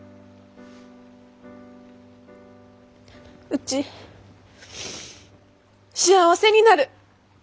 うち幸せになる！